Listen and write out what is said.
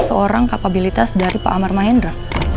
seorang kapabilitas dari pak amar mahendra